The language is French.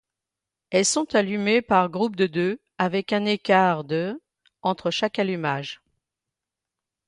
Elles sont allumées par groupe de deux, avec un écart de entre chaque allumage.